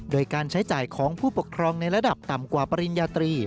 โดยการใช้จ่ายของผู้ปกครองในระดับต่ำกว่าปริญญาตรี